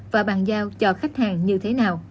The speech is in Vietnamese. và bàn giao cho khách hàng như thế nào